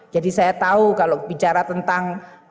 jadi saya tahu kalau bicara tentang demokrasi